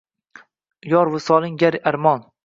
Yor, visoling gar armon